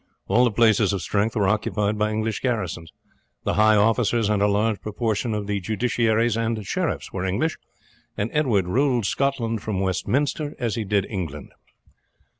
All the places of strength were occupied by English garrisons. The high officers and a large proportion of the justiciaries and sheriffs were English, and Edward ruled Scotland from Westminster as he did England.